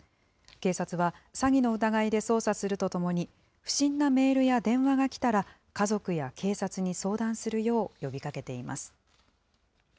警察は、詐欺の疑いで捜査するとともに、不審なメールや電話が来たら、家族や警察に相談するよう呼びかけています。